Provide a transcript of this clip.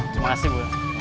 terima kasih bu